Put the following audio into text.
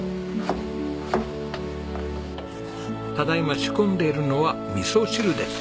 ただいま仕込んでいるのはみそ汁です。